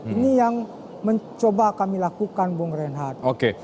ini yang mencoba kami lakukan bung reinhardt